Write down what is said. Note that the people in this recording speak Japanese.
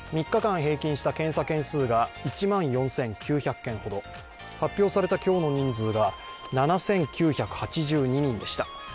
３日間平均した検査件数が１万４９００件ほど、発表された今日の人数が７９８２人でした。